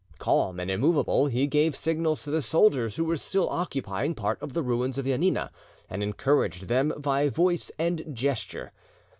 Calm and immovable, he gave signals to the soldiers who were still occupying part of the ruins of Janina, and encouraged them by voice and gesture.